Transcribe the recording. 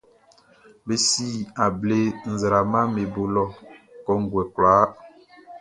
Be si able nzraamaʼm be bo lɔ kɔnguɛ kwlaa.